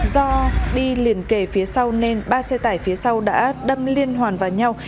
do đi liền kề phía sau nên ba xe tải phía sau đã đâm liên hoàn vào nhau